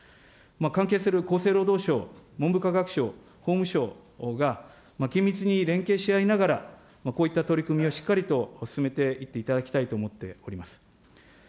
関係する厚生労働省、文部科学省、法務省が緊密に連携し合いながら、こういった取り組みをしっかりと進めていっていただきたいと思っております。